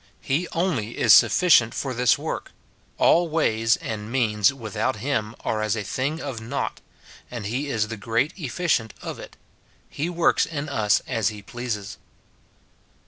He only is sufficient for this work ; all ways and means without him are as a thing of nought ; and he is the great efficient of it, — he ivorhs in us as he pleases.